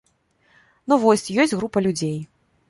Ну, вось, ёсць група людзей.